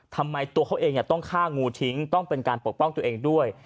ทำไมตัวเขาเองต้องฆ่างูทิ้งต้องเป็นการปกป้องตัวเองด้วย